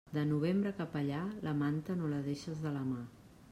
De novembre cap allà, la manta, no la deixes de la mà.